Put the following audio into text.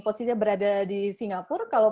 posisinya berada di singapura kalau